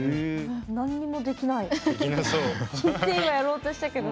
なんにもできない。